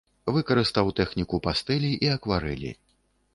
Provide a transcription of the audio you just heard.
Выкарыстаў тэхніку пастэлі і акварэлі.